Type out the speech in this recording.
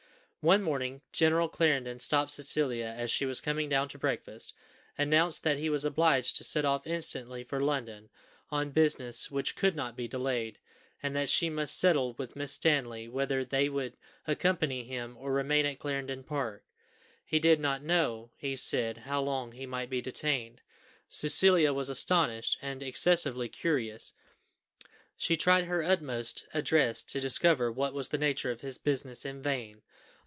One morning General Clarendon, stopping Cecilia as she was coming down to breakfast, announced that he was obliged to set off instantly for London, on business which could not be delayed, and that she must settle with Miss Stanley whether they would accompany him or remain at Clarendon Park. He did not know, he said, how long he might be detained. Cecilia was astonished, and excessively curious; she tried her utmost address to discover what was the nature of his business, in vain.